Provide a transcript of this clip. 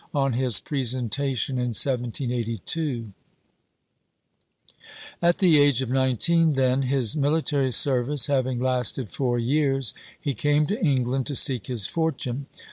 on his presentation in 1782. At the age of nineteen, then, his military service having lasted four years, he came to England to seek his fortune.